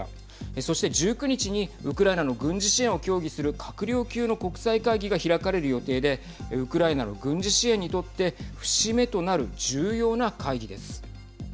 そして１９日にウクライナの軍事支援を協議する閣僚級の国際会議が開かれる予定でウクライナの軍事支援にとって節目となる重要な会議です。